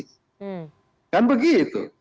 hmm kan begitu